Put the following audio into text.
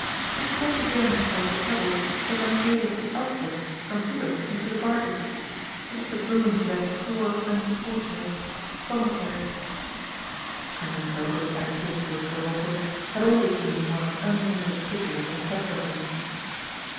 And she must have given herself the trouble to learn Elias's alphabet from Hubert into the bar gain. It is a boon for that poor, unfortunate, solitary " A STRANGE DUCK IN THE POND. 313 Gonsin Gocoa^s attitude towards the Lossells had always been one of unlimited pity of their step brother.